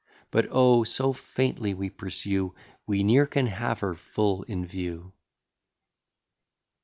But, oh! so faintly we pursue, We ne'er can have her full in view.